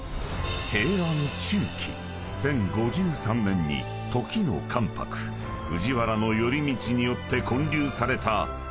［平安中期１０５３年に時の関白藤原頼通によって建立された］